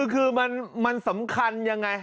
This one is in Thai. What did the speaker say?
คือมันสำคัญอย่างไร